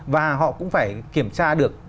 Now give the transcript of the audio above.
và họ cũng phải kiểm tra được